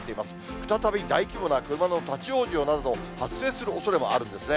再び大規模な車の立往生などの発生するおそれもあるんですね。